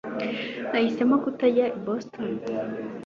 Nahisemo kutajya i Boston